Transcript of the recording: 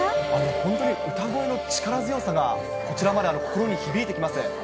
本当に歌声の力強さが、こちらまで心に響いてきます。